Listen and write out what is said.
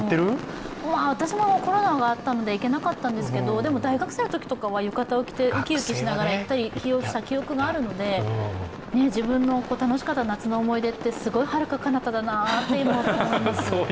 私も、コロナがあったので行けなかったんですけど、でも大学生のときとかは浴衣を着てウキウキしながら行った記憶があるので自分の楽しかった夏の思い出ってすごいはるかかなただなって思いました。